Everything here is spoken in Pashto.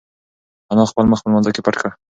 انا خپل مخ په لمانځه کې پټ کړ.